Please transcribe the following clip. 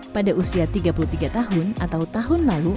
pada usia tiga puluh tiga tahun atau tahun lalu